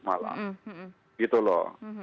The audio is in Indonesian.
malah gitu loh